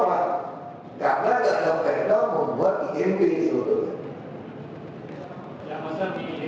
belum puluh dulu